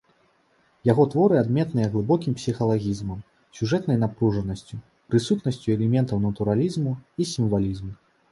Яго творы адметныя глыбокім псіхалагізмам, сюжэтнай напружанасцю, прысутнасцю элементаў натуралізму і сімвалізму.